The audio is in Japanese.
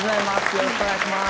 よろしくお願いします